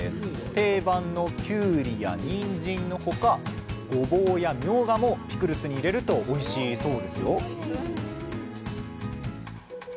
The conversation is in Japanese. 定番のきゅうりやにんじんの他ごぼうやみょうがもピクルスに入れるとおいしいそうですよ